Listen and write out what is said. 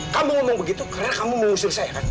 kamu ngomong begitu karena kamu mengusur saya kan